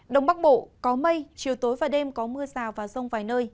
đông bắc bộ có mây chiều tối và đêm có mưa rào và rông vài nơi